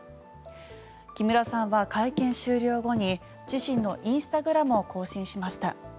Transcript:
木村さんは会見終了後に自身のインスタグラムを更新しました。